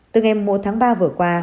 từ ngày một tháng ba vừa qua